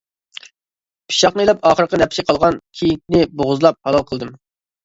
پىچاقنى ئېلىپ ئاخىرقى نەپسى قالغان كېيىكنى بوغۇزلاپ «ھالال» قىلدىم.